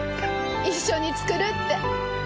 一緒に作るって。